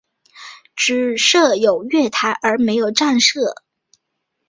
只设有月台而没有站舍。